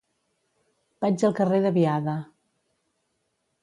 Vaig al carrer de Biada.